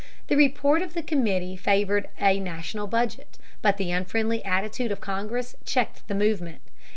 The report of the committee favored a national budget, but the unfriendly attitude of Congress checked the movement.